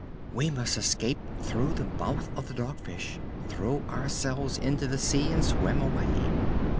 "We must escape through the mouth of the Dog Fish, throw ourselves into the sea and swim away."